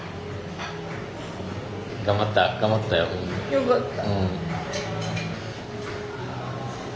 よかった。